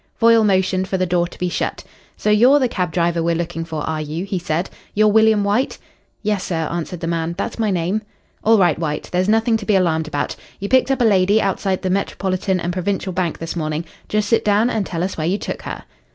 Foyle motioned for the door to be shut. "So you're the cab driver we're looking for, are you?" he said. "You're William White?" "Yes, sir," answered the man. "That's my name." "All right, White. There's nothing to be alarmed about. You picked up a lady outside the Metropolitan and Provincial Bank this morning. Just sit down and tell us where you took her."